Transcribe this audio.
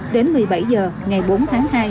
đến một mươi bảy h ngày bốn tháng hai